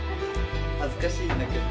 恥ずかしいんだけど。